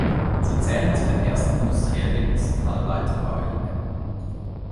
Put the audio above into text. Sie zählen zu den ersten industriell genutzten Halbleiterbauelementen.